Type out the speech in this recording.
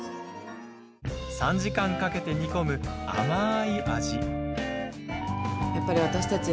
３時間かけて煮込む甘い味。